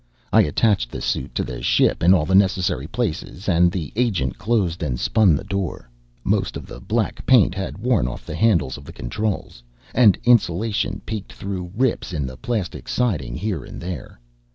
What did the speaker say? I attached the suit to the ship in all the necessary places, and the agent closed and spun the door. Most of the black paint had worn off the handles of the controls, and insulation peeked through rips in the plastic siding here and there.